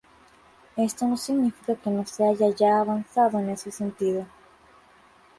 Esto no significa que no se haya ya avanzado en ese sentido.